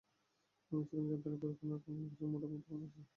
আমি ছিলাম যন্ত্রনায় পরিপূর্ণ একজন মোটা মাথা মানুষ।